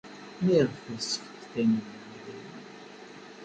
Maɣef ay as-tettakf Taninna idrimen?